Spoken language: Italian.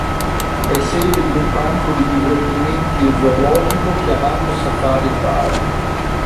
È sede di un parco di divertimenti e zoologico chiamato Safari Park.